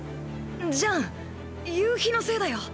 ジャン夕日のせいだよ。